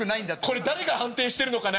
これ誰が判定してるのかな？